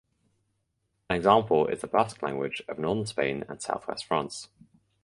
An example is the Basque language of Northern Spain and southwest France.